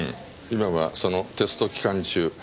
今はそのテスト期間中。